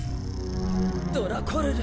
ドラコルル！